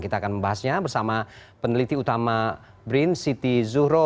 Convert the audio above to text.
kita akan membahasnya bersama peneliti utama brin siti zuhro